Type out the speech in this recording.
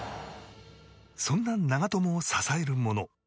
そんな長友を支えるもの